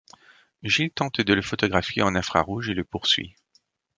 Gil tente de le photographier en infrarouge et le poursuit.